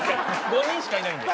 ５人しかいないんで。